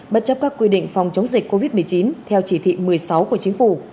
bất chấp các quy định phòng chống dịch covid một mươi chín theo chỉ thị một mươi sáu của chính phủ